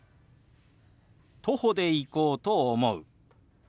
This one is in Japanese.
徒歩で行こうと思う。